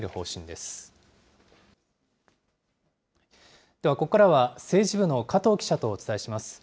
ではここからは政治部の加藤記者とお伝えします。